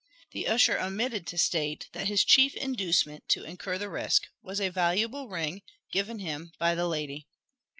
The usher omitted to state that his chief inducement to incur the risk was a valuable ring, given him by the lady.